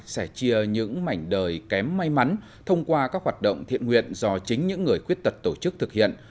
sẻ chia những mảnh đời kém may mắn thông qua các hoạt động thiện nguyện do chính những người khuyết tật tổ chức thực hiện